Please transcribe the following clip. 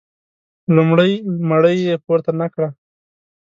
لومړۍ مړۍ یې پورته نه کړه.